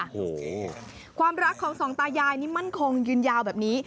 โอ้โหความรักของสองตายายนี่มั่นคงยืนยาวแบบนี้